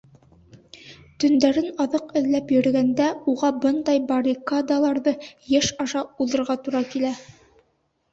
Төндәрен аҙыҡ эҙләп йөрөгәндә уға бындай «баррикада»ларҙы йыш аша уҙырға тура килә.